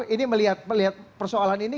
ini melihat persoalan ini